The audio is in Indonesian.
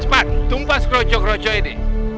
cepat tumpas kerucuk kerucuk ini